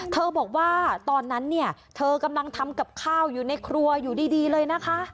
บอกว่าตอนนั้นเนี่ยเธอกำลังทำกับข้าวอยู่ในครัวอยู่ดีเลยนะคะ